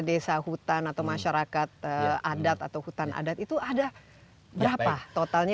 desa hutan atau masyarakat adat atau hutan adat itu ada berapa totalnya